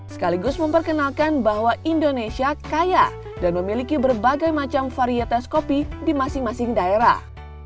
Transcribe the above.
sekaligus memperkenalkan bahwa indonesia kaya dan memiliki berbagai macam varietas kopi di masing masing daerah